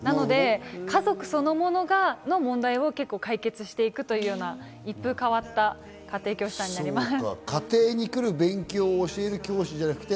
家族そのものが問題を解決していくというような一風変わった家庭教師さんになります。